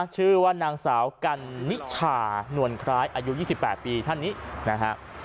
ชื่อว่านางสาวกันนิชานวลคล้ายอายุ๒๘ปีท่านนี้นะฮะ